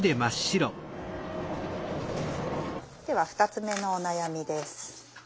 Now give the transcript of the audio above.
では２つ目のお悩みです。